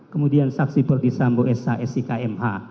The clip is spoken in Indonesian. kemudian saksi perdisambo s i k m h